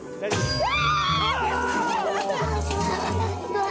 「うわ！」